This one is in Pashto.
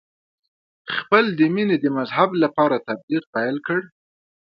خپل د مینې د مذهب لپاره تبلیغ پیل کړ.